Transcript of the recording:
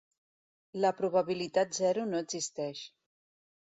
La probabilitat zero no existeix.